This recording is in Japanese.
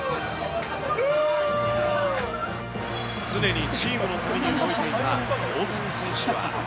常にチームのために動いていた大谷選手は。